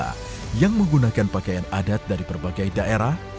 warga yang menggunakan pakaian adat dari berbagai daerah